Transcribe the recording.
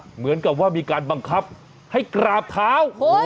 เหมือนกับว่ามีการบังคับให้กราบเท้า